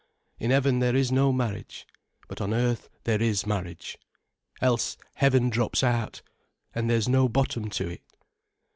In heaven there is no marriage. But on earth there is marriage, else heaven drops out, and there's no bottom to it."